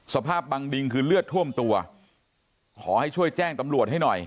สภาพบังดิงคือเลือดท่วมตัวขอให้ช่วยแจ้งตำรวจให้หน่อย